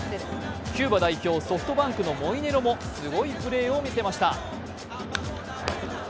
キューバ代表、ソフトバンクのモイネロもすごいプレーを見せました。